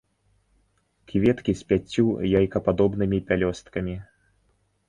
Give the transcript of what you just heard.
Кветкі з пяццю яйкападобнымі пялёсткамі.